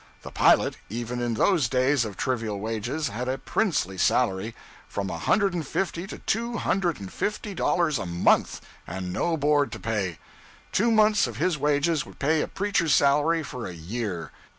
The pilot, even in those days of trivial wages, had a princely salary from a hundred and fifty to two hundred and fifty dollars a month, and no board to pay. Two months of his wages would pay a preacher's salary for a year.